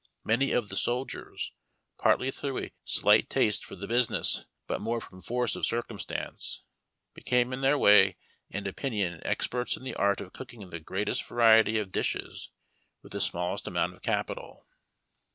Many of the soldiers, partly through a slight taste for the business but more from force of circumstances, became in their way and opinion experts in the art of cooking the greatest variety of dishes with the smallest amount of capital.